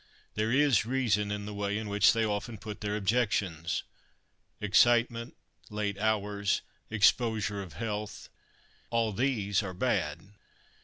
There is reason in the way in which they often put their objections. Excitement, late hours, exposure of health, all these are bad.